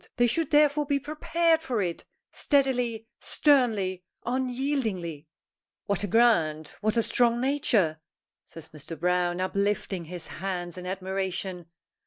They should therefore be prepared for it, steadily, sternly, unyieldingly!" "What a grand what a strong nature!" says Mr. Browne, uplifting his hands in admiration.